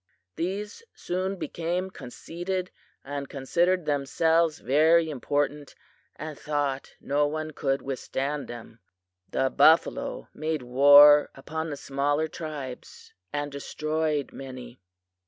"These soon became conceited and considered themselves very important, and thought no one could withstand them. The buffalo made war upon the smaller tribes, and destroyed many.